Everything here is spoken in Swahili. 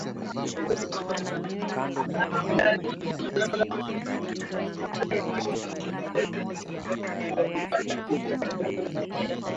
Wengine walifariki kutokana na mkanyagano na wengine kuanguka kutoka kwenye uzio huo